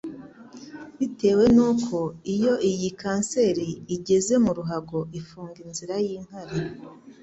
bitewe n'uko iyo iyi kanseri igeze mu ruhago ifunga inzira y'inkari